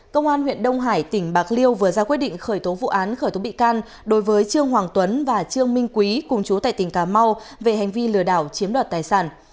công an huyện đông hải tỉnh bạc liêu vừa ra quyết định khởi tố vụ án khởi tố bị can đối với trương hoàng tuấn và trương minh quý cùng chú tại tỉnh cà mau về hành vi lừa đảo chiếm đoạt tài sản